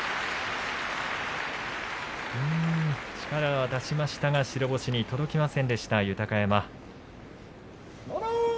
力は出しましたが白星に届きませんでした豊山。